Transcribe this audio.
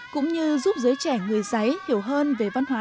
cũng như giúp giới trẻ người giấy hiểu hơn về văn hóa